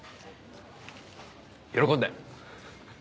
喜んで！